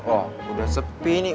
oh udah sepi nih